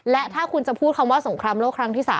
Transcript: และถ้าคุณจะพูดคำว่าสงครามโลกครั้งที่๓